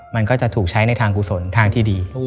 มันก็จะถูกใช้ในทางกุศลทางที่ดี